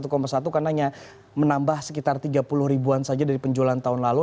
karena hanya menambah sekitar tiga puluh ribuan saja dari penjualan tahun lalu